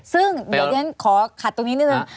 ซึ่งเดี๋ยวฉันขอขัดตรงนี้นิดนึง